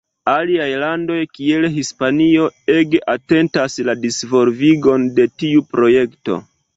Aliaj landoj kiel Hispanio ege atentas la disvolvigon de tiu projekto.